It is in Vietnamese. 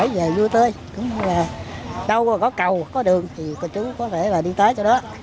về lòng nhân đạo